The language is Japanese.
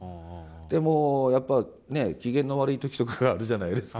でもうやっぱ機嫌の悪い時とかがあるじゃないですか。